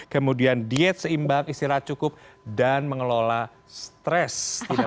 kemudian diet seimbang istirahat cukup dan mengelola stres